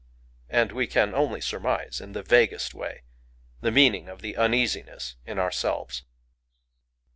And we can only surmise, in the vaguest way, the meaning of the uneasiness in ourselves.